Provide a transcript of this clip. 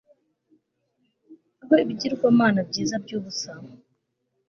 aho ibigirwamana byiza byubusa